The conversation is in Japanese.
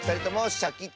シャキット！